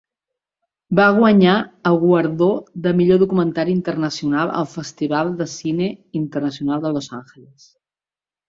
Va guanyar el guardó de Millor Documentari Internacional al Festival de Cine Internacional de Los Angeles.